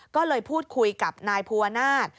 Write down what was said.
ก็เลยพูดคุยกับนายภูวนาศ